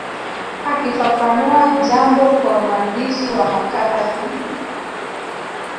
Akifafanua jambo kwa mwandishi wa makala hii